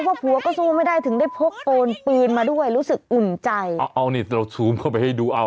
ผัวก็สู้ไม่ได้ถึงได้พกโอนปืนมาด้วยรู้สึกอุ่นใจเอาเอานี่เราซูมเข้าไปให้ดูเอา